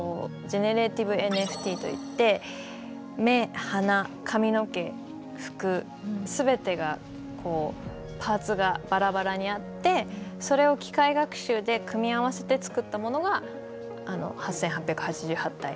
ジェネレーティブＮＦＴといって目鼻髪の毛服全てがパーツがバラバラにあってそれを機械学習で組み合わせて作ったものがあの８，８８８体。